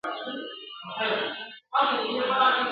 مخ يې تور په ونه جگ په اوږو پلن وو !.